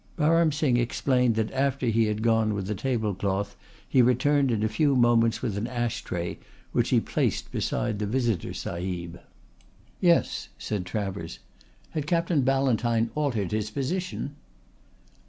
Baram Singh explained that after he had gone out with the table cloth he returned in a few moments with an ash tray, which he placed beside the visitor sahib. "Yes," said Travers. "Had Captain Ballantyne altered his position?"